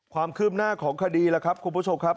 ความคืบหน้าของคดีล่ะครับคุณผู้ชมครับ